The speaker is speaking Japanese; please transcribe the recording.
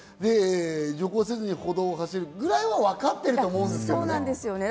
徐行せず歩道を走るぐらいは分かってると思うんですけどね。